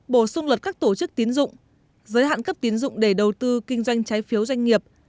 bổ sung luật các tổ chức tiến dụng giới hạn cấp tiến dụng để đầu tư kinh doanh trái phiếu doanh nghiệp